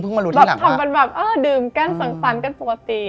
เอ้อดื่มกันสั่งสรรค์กันปกติ